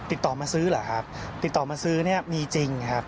ติดต่อมาซื้อเหรอครับติดต่อมาซื้อเนี่ยมีจริงครับ